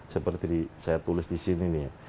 seperti saya tulis disini nih ya